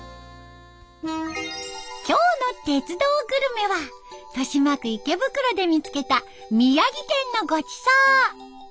今日の「鉄道グルメ」は豊島区池袋で見つけた宮城県のごちそう。